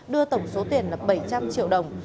đưa tổng số tiền là bảy trăm linh triệu đồng